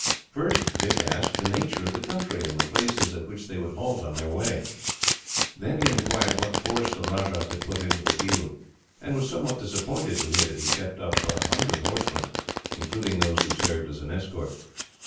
First, Dick asked the nature of the country, and the places at which they would halt on their way. Then he inquired what force the Rajah could put into the field, and was somewhat disappointed to hear that he kept up but a hundred horsemen, including those who served as an escort.